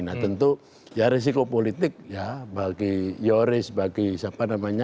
nah tentu ya risiko politik ya bagi yoris bagi siapa namanya